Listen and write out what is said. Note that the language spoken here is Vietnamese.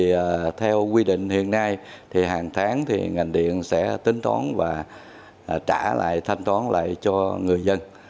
thì theo quy định hiện nay thì hàng tháng thì ngành điện sẽ tính toán và trả lại thanh toán lại cho người dân